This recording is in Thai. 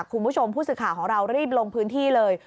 คุณผู้ชมผู้สื่อข่าวของเรารีบลงพื้นที่เลย